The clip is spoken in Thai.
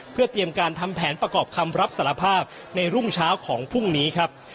เพื่อเตรียมการทำแผนประกอบคำรับสารภาพในรุ่งเช้าของพรุ่งนี้ครับ